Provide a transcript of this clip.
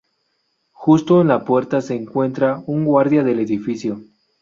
Justo en la puerta se encuentra un guardia del edificio.